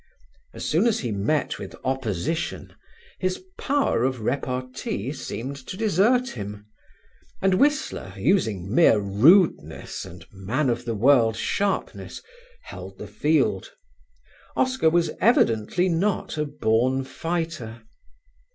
As soon as he met with opposition his power of repartee seemed to desert him and Whistler, using mere rudeness and man of the world sharpness, held the field. Oscar was evidently not a born fighter.